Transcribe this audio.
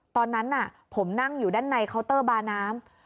ตอนนั้นผมนั่งอยู่ด้านในเคาน์เตอร์บาน้ำ